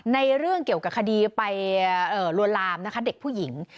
ในเรื่องเกี่ยวกับคดีไปลวนลามนะคะเด็กผู้หญิง